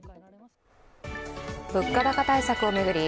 物価高対策を巡り